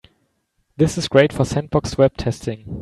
This is great for sandboxed web testing.